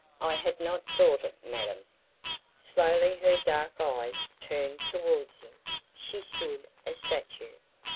I had not thought it, madame." Slowly her dark eyes turned towards him; she stood a statue.